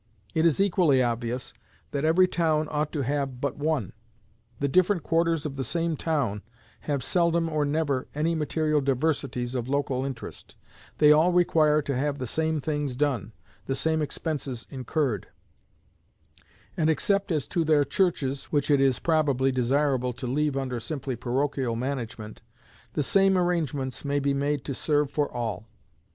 It is equally obvious that every town ought to have but one. The different quarters of the same town have seldom or never any material diversities of local interest; they all require to have the same things done, the same expenses incurred; and, except as to their churches, which it is probably desirable to leave under simply parochial management, the same arrangements may be made to serve for all.